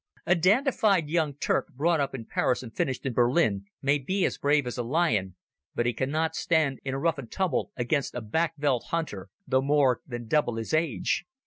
A dandified Young Turk, brought up in Paris and finished in Berlin, may be as brave as a lion, but he cannot stand in a rough and tumble against a backveld hunter, though more than double his age.